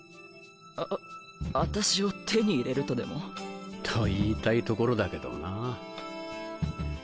ああたしを手に入れるとでも？と言いたいところだけどな。